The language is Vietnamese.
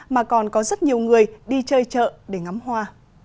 mà còn có rất nhiều người đi chơi chợ để ngắm hoa